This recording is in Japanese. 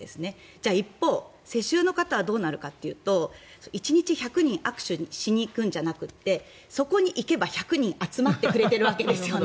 じゃあ、一方、世襲の方はどうなるかというと１日１００人握手しに行くんじゃなくてそこに行けば１００人が集まってくれているわけですよね。